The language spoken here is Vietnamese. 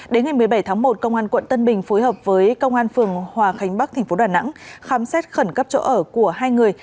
đến ngày một mươi bảy tháng một công an quận tân bình phối hợp với công an phường hòa khánh bắc tp đà nẵng khám xét khẩn cấp chỗ ở của hai người